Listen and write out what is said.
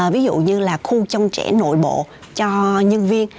ví dụ như là khu trong trẻ nội bộ cho nhân viên